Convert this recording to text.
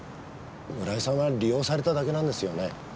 村井さんは利用されただけなんですよね？